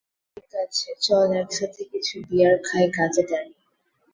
ঠিক আছে, চল একসাথে কিছু বিয়ার খাই, গাঁজা টানি।